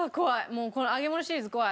もうこの揚げ物シリーズ怖い。